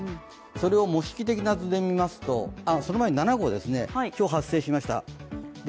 それを模式的な図で見ますとその前に、台風７号、今日発生しました。